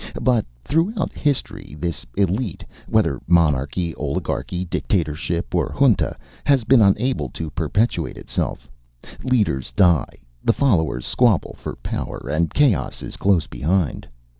But throughout history, this elite, whether monarchy, oligarchy, dictatorship or junta, has been unable to perpetuate itself. Leaders die, the followers squabble for power, and chaos is close behind.